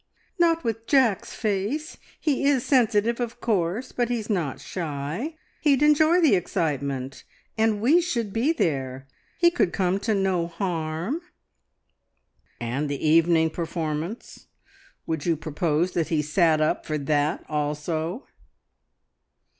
"Not with Jack's face. He is sensitive, of course, but he's not shy; he'd enjoy the excitement. And we should be there; he could come to no harm." "And the evening performance? Would you propose that he sat up for that also?"